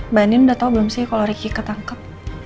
mbak andi udah tau belum sih kalau riki ketangkep